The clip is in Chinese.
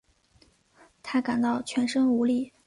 她感到全身无力